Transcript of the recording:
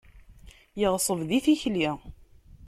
Yeɣṣeb di tikli.